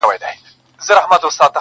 چي په کور کي د بادار وي ټول ښاغلي -